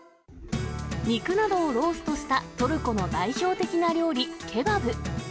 肉などをローストしたトルコの代表的な料理、ケバブ。